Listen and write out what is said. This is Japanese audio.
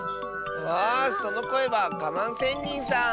あそのこえはガマンせんにんさん！